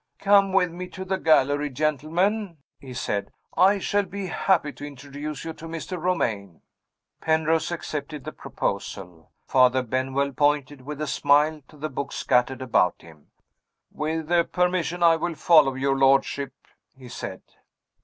"Come with me to the gallery, gentlemen," he said; "I shall be happy to introduce you to Mr. Romayne." Penrose accepted the proposal. Father Benwell pointed with a smile to the books scattered about him. "With permission, I will follow your lordship," he said.